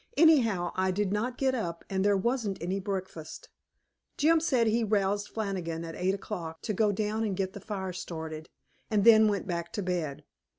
Anyhow, I did not get up, and there wasn't any breakfast. Jim said he roused Flannigan at eight o'clock, to go down and get the fire started, and then went back to bed.